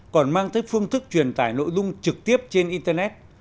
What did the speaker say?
còn mang tới phương thức truyền tải nội dung trực tiếp trên internet